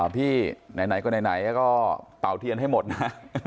พี่ไหนก็ไหนก็เป่าเทียนให้หมดนะ